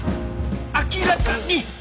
明らかに！